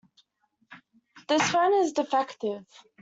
This phone is defective.